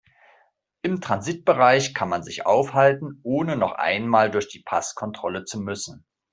Im Transitbereich kann man sich aufhalten, ohne noch einmal durch die Passkontrolle zu müssen.